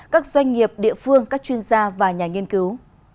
các doanh nghiệp địa phương các chuyên gia và nhà nghiên cứu